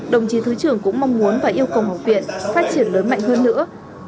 đồng chí thứ trưởng cũng mong muốn và yêu cầu học viện phát triển lớn mạnh hơn nữa